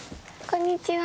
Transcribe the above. こんにちは。